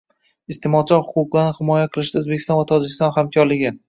Iste’molchilar huquqlarini himoya qilishda O‘zbekiston va Tojikiston hamkorliging